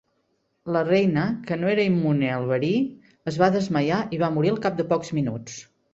La reina, que no era immune al verí, es va desmaiar i va morir al cap de pocs minuts.